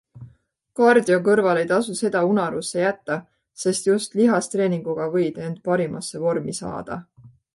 Kardio kõrval ei tasu seda unarusse jätta, sest just lihastreeninguga võid end parimasse vormi saada.